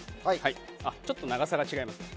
ちょっと長さが違いますね。